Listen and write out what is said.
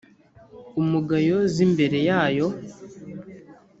umugayo z imbere yayo